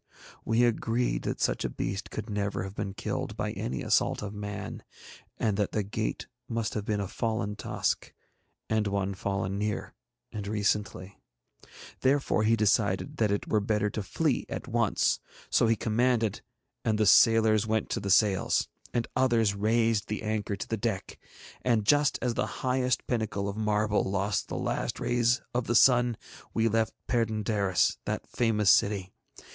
We agreed that such a beast could never have been killed by any assault of man, and that the gate must have been a fallen tusk, and one fallen near and recently. Therefore he decided that it were better to flee at once; so he commanded, and the sailors went to the sails, and others raised the anchor to the deck, and just as the highest pinnacle of marble lost the last rays of the sun we left Perd├│ndaris, that famous city.